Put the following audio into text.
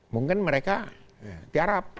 mungkin mereka tiarap